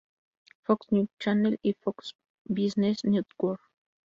Fox News Channel y Fox Business Network.